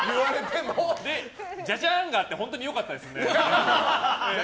最後のジャジャンがあって本当に良かったですね。